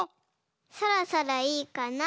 そろそろいいかな。